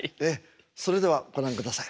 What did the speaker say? それではご覧ください。